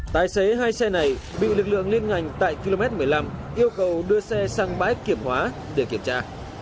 tài xế hai xe này bị lực lượng liên ngành tại km một mươi năm yêu cầu đưa xe sang bãi kiểm hóa để kiểm tra